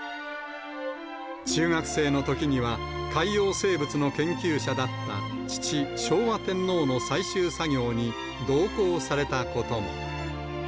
中学生のときには、海洋生物の研究者だった父、昭和天皇の採集作業に同行されたことも。